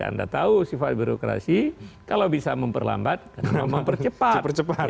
anda tahu sifat birokrasi kalau bisa memperlambat mempercepat